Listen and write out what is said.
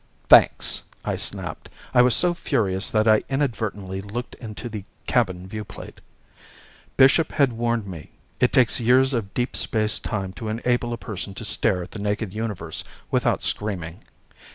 "Thanks!" I snapped. I was so furious that I inadvertently looked into the cabin viewplate. Bishop had warned me. It takes years of deep space time to enable a person to stare at the naked Universe without screaming.